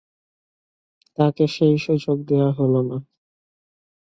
তাঁকে সেই সুযোগ দেয়া হল না।